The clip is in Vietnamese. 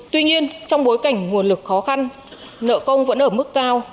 tuy nhiên trong bối cảnh nguồn lực khó khăn nợ công vẫn ở mức cao